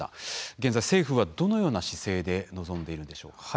現在、政府は、どのような姿勢で臨んでいるんでしょうか。